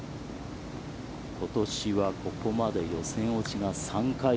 ことしは、ここまで予選落ちが３回。